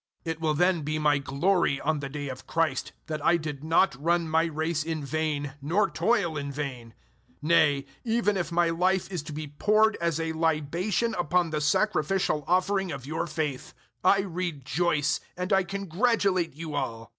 It will then be my glory on the day of Christ that I did not run my race in vain nor toil in vain. 002:017 Nay, even if my life is to be poured as a libation upon the sacrificial offering of your faith, I rejoice, and I congratulate you all.